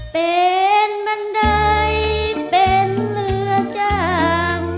เป็นบันไดเป็นเรือจ้าง